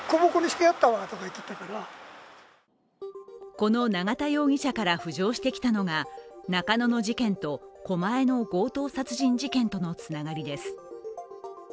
この永田容疑者から浮上してきたのが中野の事件と狛江の強盗殺人事件とのつながりです。